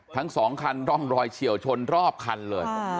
ทั้งสองคันร่องรอยเฉียวชนรอบคันเลย